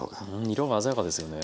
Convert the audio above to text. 色が鮮やかですよね。